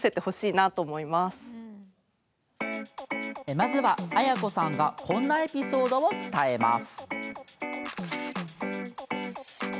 まずは、あやこさんがこんなエピソードを伝えます。